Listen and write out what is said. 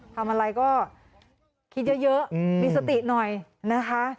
ทำอะไรก็คิดเยอะมีสติหน่อยนะคะ